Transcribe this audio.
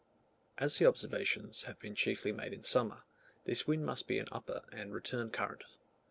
As the observations have been chiefly made in summer, this wind must be an upper and return current.